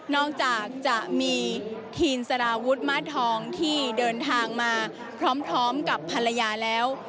อกจากจะมีทีนสารวุฒิมาทองที่เดินทางมาพร้อมกับภรรยาแล้ว